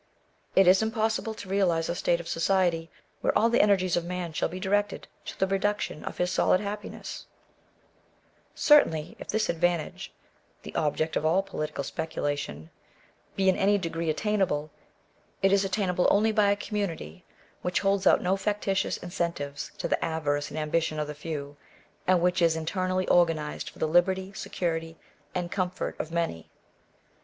Is it impossible to realize a state of society, where all the energies of man shall be directed to the production of his solid happiness ? Digitized by Google 22 A Vindication of Natural Diet Certainly, if this advantage (the object of all political speculation) be in any degree attainable, it is attainable only by a community which holds out no factitious incentives to the avarice and ambition of the few, and which is in ternally organized for the liberty, security, and comfort of the many.